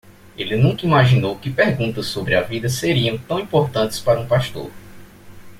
Ele nunca imaginou que perguntas sobre a vida seriam tão importantes para um pastor.